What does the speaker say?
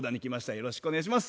よろしくお願いします。